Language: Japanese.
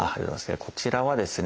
こちらはですね